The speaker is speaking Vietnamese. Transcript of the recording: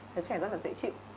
đứa trẻ rất là dễ chịu